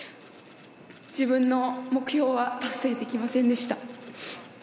自分の目標は達成できませんでした。